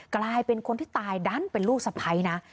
กลายเป็นคนที่ตายดันเป็นลูกสะพ้ายนะ